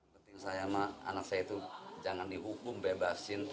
pertama anak saya itu jangan dihukum bebasin